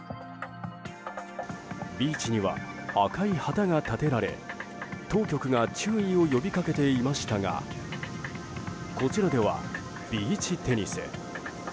ビーチには赤い旗が立てられ当局が注意を呼び掛けていましたがこちらではビーチテニス。